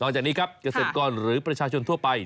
จากนี้ครับเกษตรกรหรือประชาชนทั่วไป